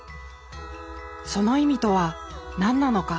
その意味とは何なのか。